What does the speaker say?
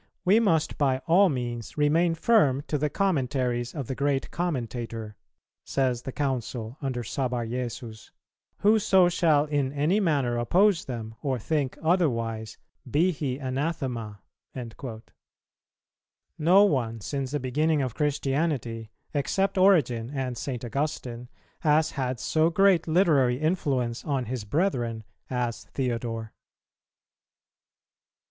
"We must by all means remain firm to the commentaries of the great Commentator," says the Council under Sabarjesus; "whoso shall in any manner oppose them, or think otherwise, be he anathema."[287:1] No one since the beginning of Christianity, except Origen and St. Augustine, has had so great literary influence on his brethren as Theodore.